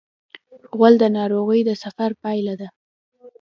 غول د ناروغ د سفر پایله ده.